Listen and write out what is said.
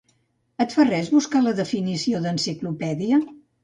Et fa res buscar la definició d'enciclopèdia?